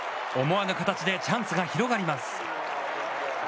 思わぬ形でチャンスが広がります。